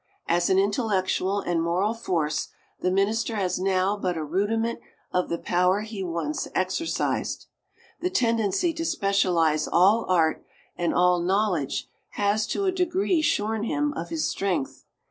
As an intellectual and moral force, the minister has now but a rudiment of the power he once exercised. The tendency to specialize all art and all knowledge has to a degree shorn him of his strength.